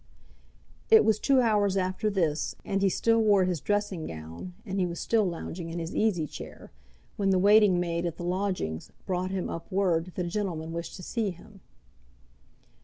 It was two hours after this, and he still wore his dressing gown, and he was still lounging in his easy chair, when the waiting maid at the lodgings brought him up word that a gentleman wished to see him.